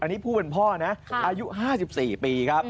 อันนี้ผู้เป็นพ่อนะอายุ๕๔ปีครับ